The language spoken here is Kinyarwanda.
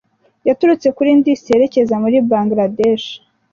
yaturutse kuri Indus yerekeza muri Bangladesh